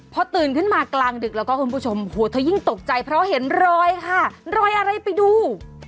พอตื่นขึ้นมากลางดึกแล้วก็คุณผู้ชมโหเธอยิ่งตกใจเพราะเห็นรอยค่ะรอยอะไรไปดู